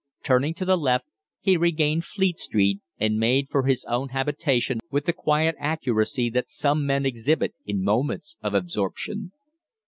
Turning to the left, he regained Fleet Street and made for his own habitation with the quiet accuracy that some men exhibit in moments of absorption.